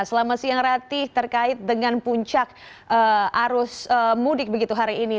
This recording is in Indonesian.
selamat siang ratih terkait dengan puncak arus mudik begitu hari ini